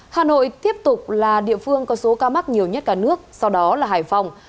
hà nội tiếp tục là địa phương có số ca mắc nhiều nhất cả nước sau đó là hải phòng